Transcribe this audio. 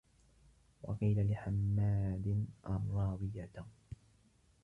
وَقِيلَ لِحَمَّادٍ الرَّاوِيَةِ